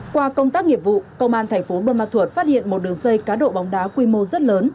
qua công tác nghiệp vụ công an tp buôn ma thuận phát hiện một đường dây cá độ bóng đá quy mô rất lớn